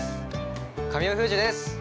神尾楓珠です。